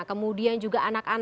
kemudian juga anak anaknya tiap hari